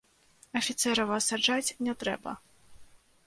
Афіцэрава саджаць не трэба!